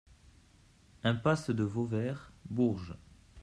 Impasse de Vauvert, Bourges